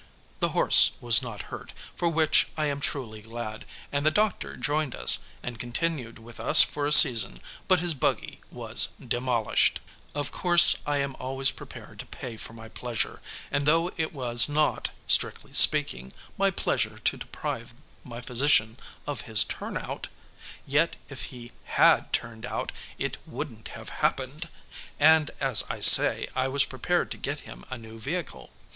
The horse was not hurt, for which I am truly glad, and the doctor joined us, and continued with us for a season, but his buggy was demolished. Of course I am always prepared to pay for my pleasure, and though it was not, strictly speaking, my pleasure to deprive my physician of his turn out, yet if he had turned out it wouldn't have happened and, as I say, I was prepared to get him a new vehicle.